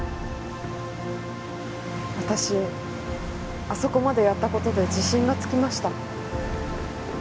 私あそこまでやった事で自信がつきました。